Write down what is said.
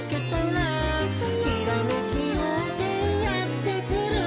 「ひらめきようせいやってくる」